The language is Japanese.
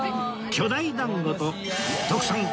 巨大団子と徳さん